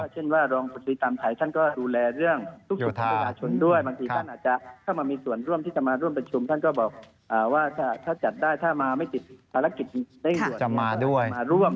จะมาด้วยมาร่วมด้วย